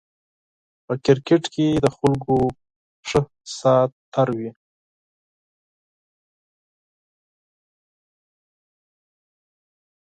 په کرکېټ کې د خلکو ښه سات تېر وي